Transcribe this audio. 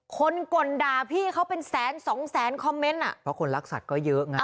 คนก่นด่าพี่เขาเป็นแสนสองแสนคอมเมนต์อ่ะเพราะคนรักสัตว์ก็เยอะไง